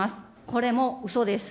これもうそです。